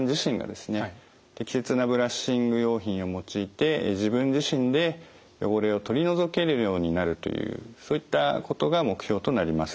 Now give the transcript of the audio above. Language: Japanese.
適切なブラッシング用品を用いて自分自身で汚れを取り除けるようになるというそういったことが目標となります。